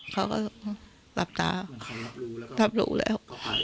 เขาก็หลับตารับรู้แล้ว